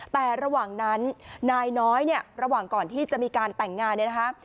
แต่ระหว่างนั้นนายน้อยเนี่ยระหว่างก่อนที่จะมีการแต่งงานเนี่ยนะคะ